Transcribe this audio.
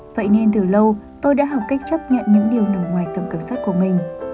vậy nên từ lâu tôi đã học cách chấp nhận những điều nằm ngoài tầm kiểm soát của mình